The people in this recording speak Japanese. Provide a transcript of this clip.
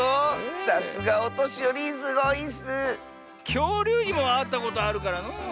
きょうりゅうにもあったことあるからのう。